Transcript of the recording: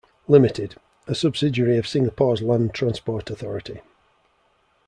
Limited, a subsidiary of Singapore's Land Transport Authority.